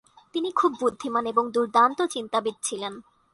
তিনি খুব বুদ্ধিমান এবং দুর্দান্ত চিন্তাবিদ ছিলেন।